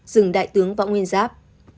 rừng đại tướng võ nguyên giáp